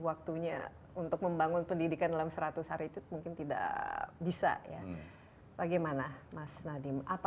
waktunya untuk membangun pendidikan dalam seratus hari itu mungkin tidak bisa ya bagaimana mas nadiem apa